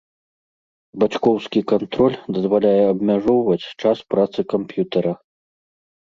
Бацькоўскі кантроль дазваляе абмяжоўваць час працы камп'ютара.